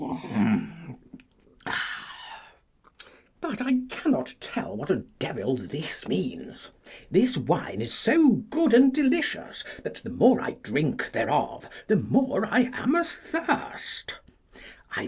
But I cannot tell what a devil this means. This wine is so good and delicious, that the more I drink thereof the more I am athirst.